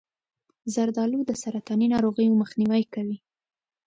زردآلو د سرطاني ناروغیو مخنیوی کوي.